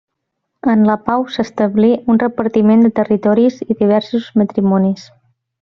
En la pau s'establí un repartiment de territoris i diversos matrimonis.